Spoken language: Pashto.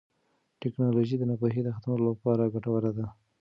ټیکنالوژي د ناپوهۍ د ختمولو لپاره ګټوره ده.